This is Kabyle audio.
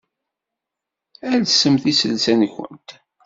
Alsemt iselsa-nwent.